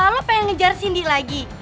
lo pengen ngejar cindy lagi